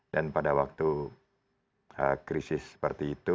dan pada waktu krisis seperti itu